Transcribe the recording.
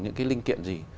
những cái linh kiện gì